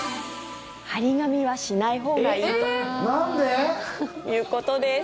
貼り紙はしないほうがいいということです。